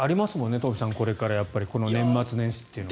トンフィさん、これからこの年末年始というのは。